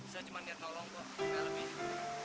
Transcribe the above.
saya cuma berniat nolong kok gak lebih